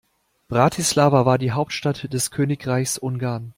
Bratislava war die Hauptstadt des Königreichs Ungarn.